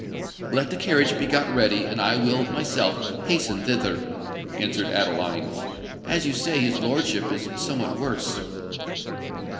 "Let the carriage be got ready, and I will myself hasten thither," answered Adeline; "as you say that his lordship is somewhat worse."